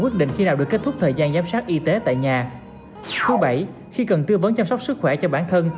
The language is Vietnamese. thứ bảy khi cần tư vấn chăm sóc sức khỏe cho bản thân